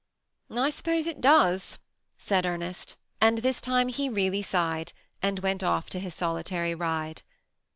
" I suppose it does," said Ernest ; and this time he really sighed, and went off to his solitary ride.